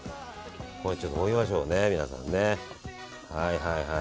ここでちょっともみましょうね皆さん。